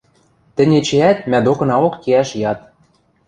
— Тӹнь эчеӓт мӓ докынаок кеӓш яд.